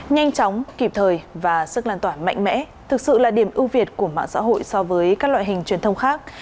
nhanh chóng kịp thời và sức lan tỏa mạnh mẽ thực sự là điểm ưu việt của mạng xã hội so với các loại hình truyền thông khác